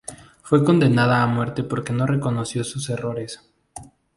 Fue condenada a muerte porque no reconoció sus errores.